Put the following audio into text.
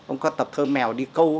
ông có tập thơ mèo đi câu